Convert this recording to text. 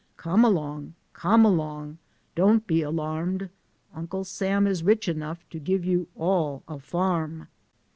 Come along ! Come along ! don't be alarmed, Uncle Sam is rich enough to give yon all a farm.'